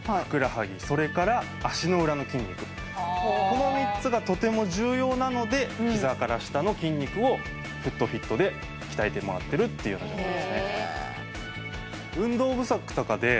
この３つがとても重要なのでひざから下の筋肉をフットフィットで鍛えてもらってるっていうような状態ですね。